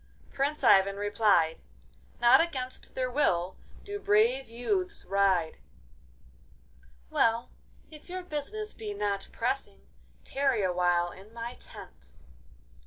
Prince Ivan replied, 'Not against their will do brave youths ride!' 'Well, if your business be not pressing, tarry awhile in my tent.